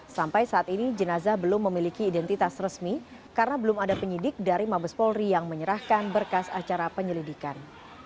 sampai saat ini jenazah belum memiliki identitas resmi karena belum ada penyidik dari mabes polri yang menyerahkan berkas acara penyelidikan